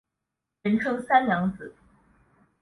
人称三娘子。